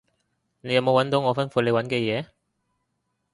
你有冇搵到我吩咐你搵嘅嘢？